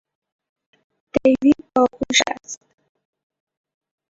دیوید باهوش است.